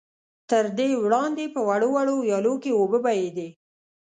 تر دې وړاندې په وړو وړو ويالو کې اوبه بهېدې.